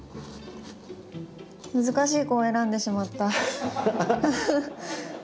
難しい子を選んでしまった。